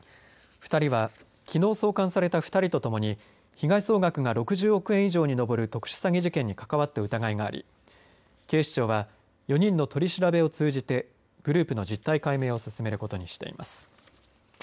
２人はきのう送還された２人とともに被害総額が６０億円以上に上る特殊詐欺事件に関わった疑いがあり警視庁は４人の取り調べを通じてグループの実態解明を進めることにしています。